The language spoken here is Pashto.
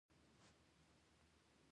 تا سره څو قسمه پېزار دي